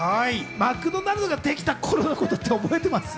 マクドナルドができた頃のこと覚えてますか？